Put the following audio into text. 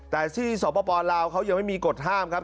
แต่ที่สวพุพรไม่มีกฎห้ามครับ